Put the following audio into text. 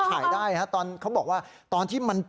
แล้วก็เรียกเพื่อนมาอีก๓ลำ